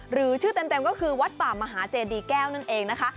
หรือชื่อเต็มก็คือวัดป่ามหาเจดีแก้วนั่นเองนะคะ